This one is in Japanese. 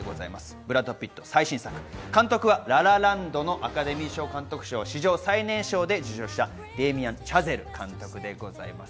ブラッド・ピット最新作、監督は『ラ・ラ・ランド』のアカデミー賞監督賞を史上最年少で受賞したデイミアン・チャゼル監督です。